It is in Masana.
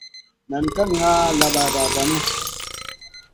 Nan ka ŋa labaɗa vanu.